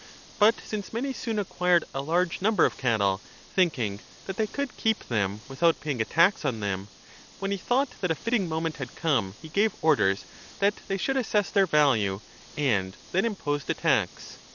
But since many soon acquired a large number of cattle, thinking that they could keep them without paying 10 a tax on them, when he thought that a fitting moment had come he gave orders that they should assess their value and then imposed a tax.